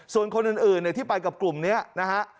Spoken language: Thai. ส่วนคนอื่นที่ไปกับกลุ่มนี้นะฮะ